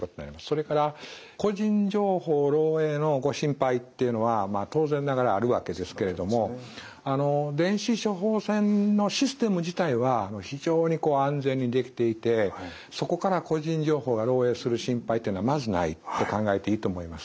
それから個人情報漏えいのご心配っていうのは当然ながらあるわけですけれども電子処方箋のシステム自体は非常に安全に出来ていてそこから個人情報が漏えいする心配というのはまずないと考えていいと思います。